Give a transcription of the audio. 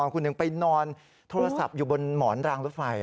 คุณหนึ่งไปนอนโทรศัพท์อยู่บนหมอนรางรถไฟ